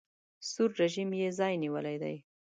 سور رژیم یې ځای نیولی دی.